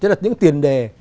chứ là những tiền đề